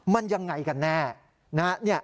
มันยังไงกันแน่